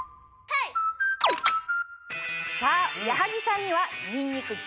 さぁ矢作さんには。